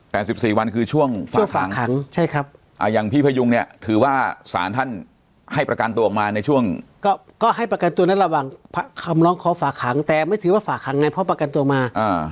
สิบสี่วันคือช่วงฝากฝากขังใช่ครับอ่าอย่างพี่พยุงเนี่ยถือว่าสารท่านให้ประกันตัวออกมาในช่วงก็ก็ให้ประกันตัวนั้นระหว่างคำร้องขอฝากขังแต่ไม่ถือว่าฝากขังไงเพราะประกันตัวมาอ่า